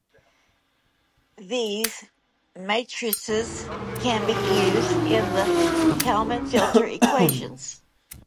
These matrices can be used in the Kalman filter equations.